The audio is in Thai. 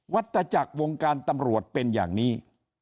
วัตถจักรวงการตำรวจเป็นอย่างนี้